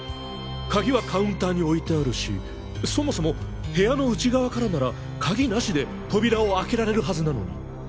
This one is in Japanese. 鍵はカウンターに置いてあるしそもそも部屋の内側からなら鍵なしで扉を開けられるはずなのに。